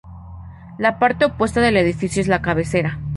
La parte opuesta del edificio es la cabecera.